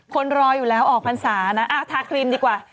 คนรออยู่แล้วออกพรรษานะทาครีมดีกว่า